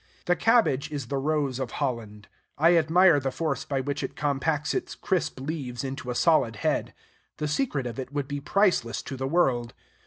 The cabbage is the rose of Holland. I admire the force by which it compacts its crisp leaves into a solid head. The secret of it would be priceless to the world.